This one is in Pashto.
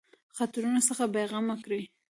خطرونو څخه بېغمه کړي.